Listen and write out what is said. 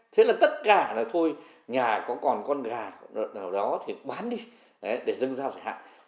thế là tất cả là thôi nhà có còn con gà nào đó thì bán đi để dâng dao chẳng hạn